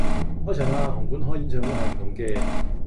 開場啦，紅館開演唱會係唔同既！